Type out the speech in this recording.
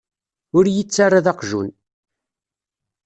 Ur yi-ttarra d aqjun.